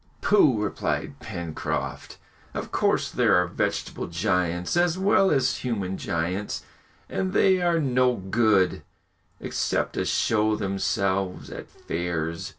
"Pooh!" replied Pencroft. "Of course there are vegetable giants as well as human giants, and they are no good, except to show themselves at fairs!"